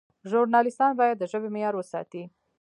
ژورنالیستان باید د ژبې معیار وساتي.